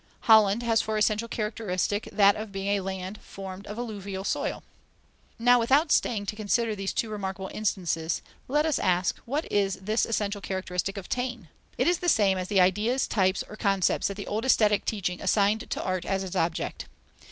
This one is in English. Holland has for essential characteristic that of being a land formed of alluvial soil. Now without staying to consider these two remarkable instances, let us ask, what is this essential characteristic of Taine? It is the same as the ideas, types, or concepts that the old aesthetic teaching assigned to art as its object.